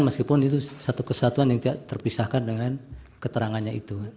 meskipun itu satu kesatuan yang tidak terpisahkan dengan keterangannya itu